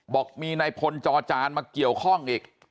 บอกมีนายพลจอจานมาเกี่ยวข้องอีก